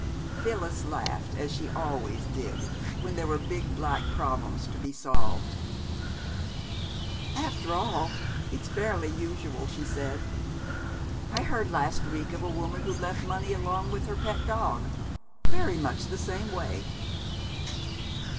Phyllis laughed, as she always did when there were big black problems to be solved. "After all, it's fairly usual," she said. "I heard last week of a woman who left money along with her pet dog, very much the same way."